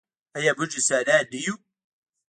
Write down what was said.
آیا موږ انسانان نه یو؟